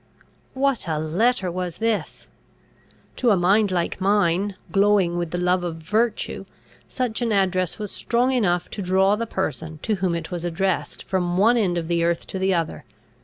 What a letter was this! To a mind like mine, glowing with the love of virtue, such an address was strong enough to draw the person to whom it was addressed from one end of the earth to the other.